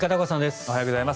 おはようございます。